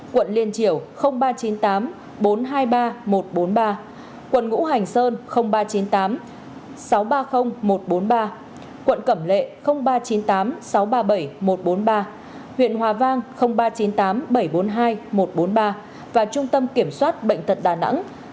ba trăm chín mươi tám một trăm bốn mươi chín một trăm bốn mươi ba quận liên triểu ba trăm chín mươi tám bốn trăm hai mươi ba một trăm bốn mươi ba quận ngũ hành sơn ba trăm chín mươi tám sáu trăm ba mươi một trăm bốn mươi ba quận cẩm lệ ba trăm chín mươi tám sáu trăm ba mươi bảy một trăm bốn mươi ba huyện hòa vang ba trăm chín mươi tám bảy trăm bốn mươi hai một trăm bốn mươi ba và trung tâm kiểm soát bệnh tật đà nẵng chín trăm linh năm một trăm linh tám tám trăm bốn mươi bốn